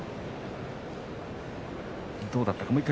どうだったか。